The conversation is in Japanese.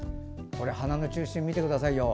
花の中心を見てくださいよ。